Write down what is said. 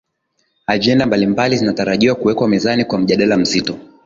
agenda mbalimbali zinatarajiwa kuwekwa mezani kwa mjadala mzito